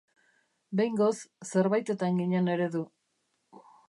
Behingoz, zerbaitetan ginen eredu.